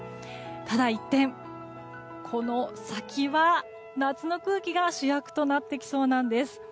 ただ一転、この先は夏の空気が主役となってきそうなんです。